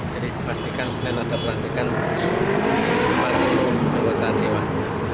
jadi dipastikan setelah ada pelantikan empat puluh anggota dewan